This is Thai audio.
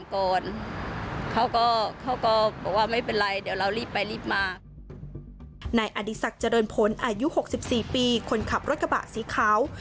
คนขับรถกระบะสีขาว